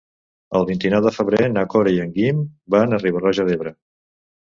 El vint-i-nou de febrer na Cora i en Guim van a Riba-roja d'Ebre.